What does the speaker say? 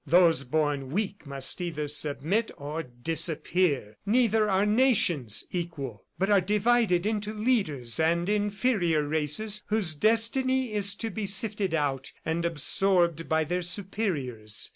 Those born weak must either submit or disappear. Neither are nations equal, but are divided into leaders and inferior races whose destiny is to be sifted out and absorbed by their superiors.